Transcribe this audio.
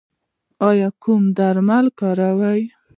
ایا کوم درمل کاروئ؟